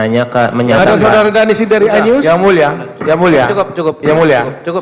yang mulia yang mulia cukup cukup